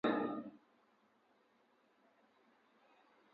Mine nyalo tee